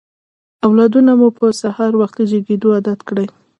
اولادونه مو په سهار وختي جګېدو عادت کړئ.